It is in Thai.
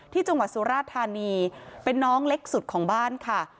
ที่จังหวัดสุราธานีเป็นน้องเล็กสุดของบ้านค่ะ